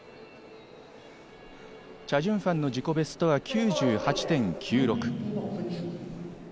チャ・ジュンファンの自己ベストは、９８．９６。